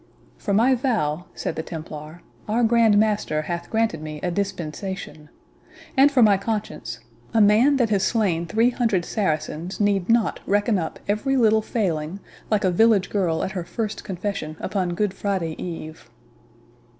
"For my vow," said the Templar, "our Grand Master hath granted me a dispensation. And for my conscience, a man that has slain three hundred Saracens, need not reckon up every little failing, like a village girl at her first confession upon Good Friday eve."